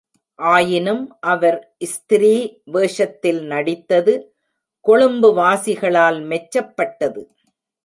ஆயினும் அவர் ஸ்திரீ வேஷத்தில் நடித்தது கொழும்புவாசிகளால் மெச்சப்பட்டது.